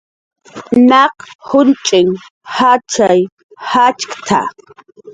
"Naq junch' jatxay yatxk""t""a"